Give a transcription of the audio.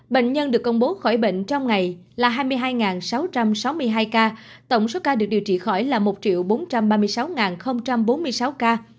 bệnh nhân được công bố khỏi bệnh trong ngày là hai mươi hai sáu trăm sáu mươi hai ca tổng số ca được điều trị khỏi là một bốn trăm ba mươi sáu bốn mươi sáu ca